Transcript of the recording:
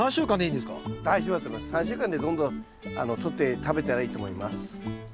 ３週間でどんどんとって食べたらいいと思います。